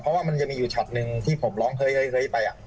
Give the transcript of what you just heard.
เพราะว่ามันจะมีอยู่ช็อตหนึ่งที่ผมร้องเคยไป